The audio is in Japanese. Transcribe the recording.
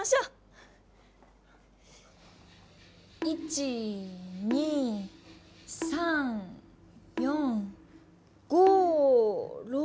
１２３４５６。